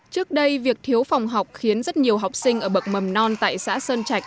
trước đây việc thiếu phòng học khiến rất nhiều học sinh ở bậc mầm non tại xã sơn trạch